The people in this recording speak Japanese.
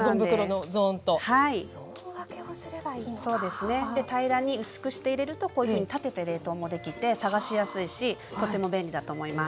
で平らに薄くして入れるとこういうふうに立てて冷凍もできて探しやすいしとても便利だと思います。